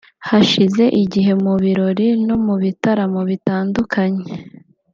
Hashize igihe mu birori no mu bitaramo bitandukanye